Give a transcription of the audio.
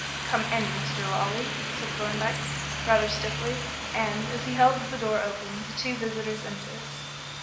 "Come in, Mr. Lawley," said Thorndyke, rather stiffly, and, as he held the door open, the two visitors entered.